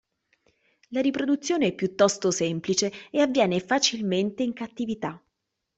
La riproduzione è piuttosto semplice e avviene facilmente in cattività.